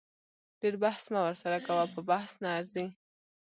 ډیر بحث مه ورسره کوه په بحث نه ارزي